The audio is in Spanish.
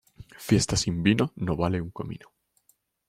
Fiesta sin vino no vale un comino.